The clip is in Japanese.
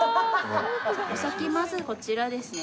お先まずこちらですね